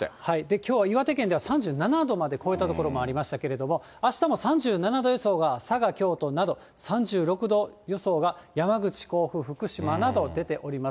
きょうは岩手県では３７度まで超えた所もありましたけれども、あしたも３７度予想が佐賀、京都など、３６度予想が山口、甲府、福島など出ております。